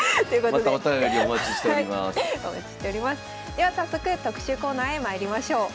では早速特集コーナーへまいりましょう。